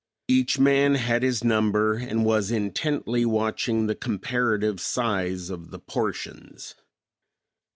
Each man had his number and was intently watching the comparative size of the portions.